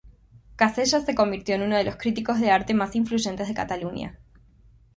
Casellas se convirtió en uno de los críticos de arte más influyentes de Cataluña.